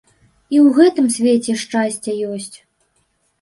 І ў гэтым свеце шчасце ёсць.